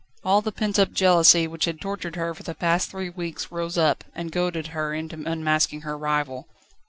All the pent up jealousy which had tortured her for the past three weeks rose up, and goaded her into unmasking her rival.